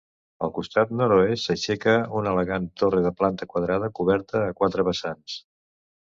Al costat nord-oest s'aixeca una elegant torre de planta quadrada, coberta a quatre vessants.